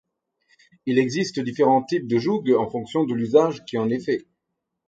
Il existe différents types de jougs en fonction de l'usage qui en est fait.